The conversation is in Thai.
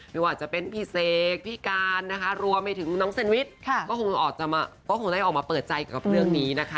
ไม่ว่าจะเป็นพี่เสกพี่การนะคะรวมไปถึงน้องเซนวิชก็คงได้ออกมาเปิดใจกับเรื่องนี้นะคะ